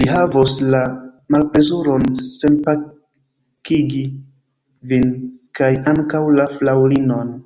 Li havos la malplezuron senkapigi vin, kaj ankaŭ la fraŭlinon.